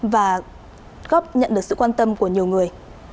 và góp nhận được sự quan tâm của nhiều người